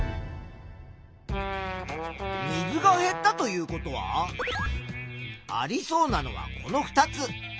水が減ったということはありそうなのはこの２つ。